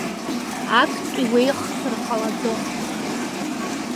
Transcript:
Актәи уеихсыр ҟалаӡом!